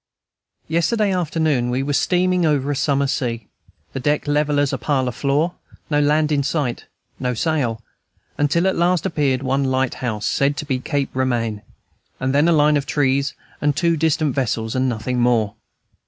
Yesterday afternoon we were steaming over a summer sea, the deck level as a parlor floor, no land in sight, no sail, until at last appeared one light house, said to be Cape Romaine, and then a line of trees and two distant vessels and nothing more.